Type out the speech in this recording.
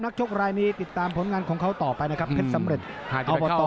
ชกรายนี้ติดตามผลงานของเขาต่อไปนะครับเพชรสำเร็จอบต